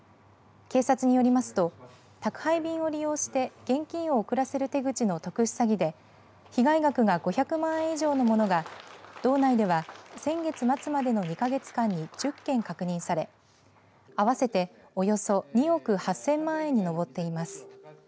警察によりますと宅配便を利用して現金を送らせる手口の特殊詐欺で被害額が５００万円以上のものが道内は先月末までの２か月間に１０件確認され合わせておよそ２億８０００万円に上っています。